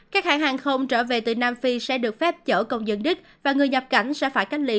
các hãng hàng không trở về từ nam phi sẽ được phép chở công dân đích và người nhập cảnh sẽ phải cách ly